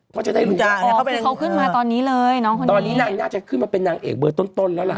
เค้าขึ้นมาตอนนี้เลยน้องคนนี้ค่ะตอนนี้นางน่าจะขึ้นมาเป็นนางเอกเบอร์ต้นแล้วล่ะ